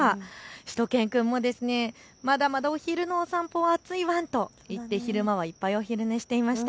しゅと犬くんもまだまだお昼のお散歩暑いワンと言って昼間はいっぱいお昼寝していました。